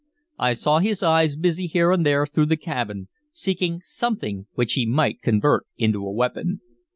I saw his eyes busy here and there through the cabin, seeking something which he might convert into a weapon.